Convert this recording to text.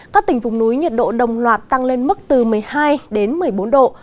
các tỉnh vùng núi nhiệt độ đồng loạt tăng lên mức từ một mươi hai đến một mươi bốn độ